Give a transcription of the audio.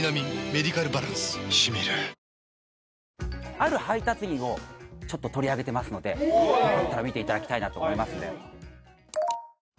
ある配達員をちょっと取り上げてますのでよかったら見ていただきたいなと思いますんで。